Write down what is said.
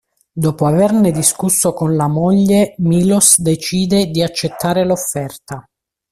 Dopo averne discusso con la moglie, Miloš decide di accettare l'offerta.